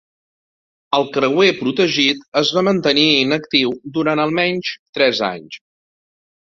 El creuer protegit es va mantenir inactiu durant almenys tres anys.